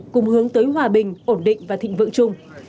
cùng hướng tới hòa bình ổn định và thịnh vượng chung